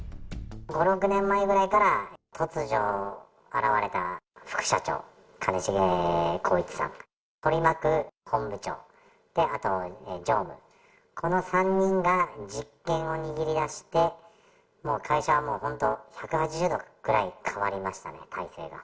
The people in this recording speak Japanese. ５、６年前ぐらいから突如現れた副社長、兼重宏一さん、取り巻く本部長、あと常務、この３人が実権を握りだして、もう会社は本当、１８０度くらい変わりましたね、体制が。